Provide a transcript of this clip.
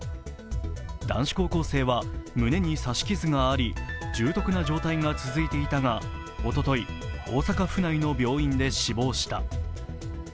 男子高校生は胸に刺し傷があり、重篤な状態が続いていたが、おととい、大阪府内の病院で死亡した。